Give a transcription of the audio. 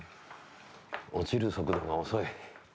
落ちる速度が遅い。